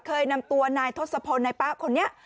เคยนำตัวนายทศพลนายป๊ะคนนี้